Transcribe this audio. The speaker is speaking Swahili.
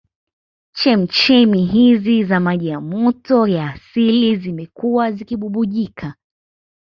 Chemchemi hizi za maji moto ya asili zimekuwa zikibubujika